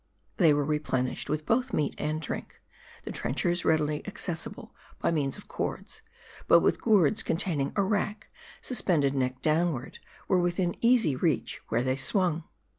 They were replenished with both meat and drink ; the trenchers readily accessible by means of cords ; but the gourds containing arrack, suspended neck downward, were within easy reach where they swung.